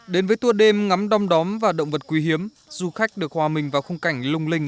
đến với tua đêm ngắm đom đóm và động vật quý hiếm du khách được hòa mình vào khung cảnh lung linh